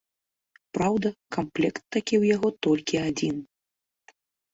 Праўда, камплект такі ў яго толькі адзін.